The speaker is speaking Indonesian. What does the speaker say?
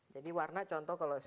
jadi warna contoh kalau c